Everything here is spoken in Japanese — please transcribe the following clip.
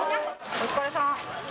お疲れさん。